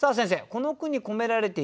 この句に込められているもの